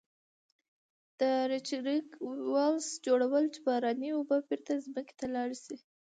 د Recharge wells جوړول چې باراني اوبه بیرته ځمکې ته لاړې شي.